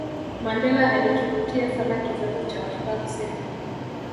mandela alikivutia sana kizazi cha afrika kusini